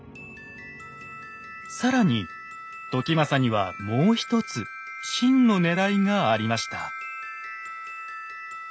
更に時政にはもうひとつ真のねらいがありました。